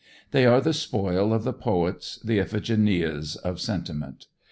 They are the spoil of the poets, the Iphigenias of sentiment.